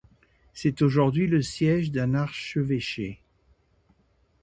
C'est aujourd'hui le siège d'un archevêché.